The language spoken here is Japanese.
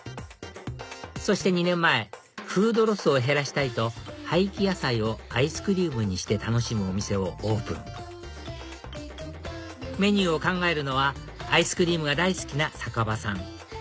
そして２年前フードロスを減らしたいと廃棄野菜をアイスクリームにして楽しむお店をオープンメニューを考えるのはアイスクリームが大好きな坂場さん